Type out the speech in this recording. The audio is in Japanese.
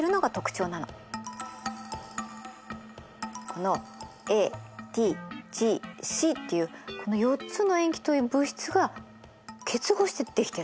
このＡＴＧＣっていうこの４つの塩基という物質が結合してできてるの。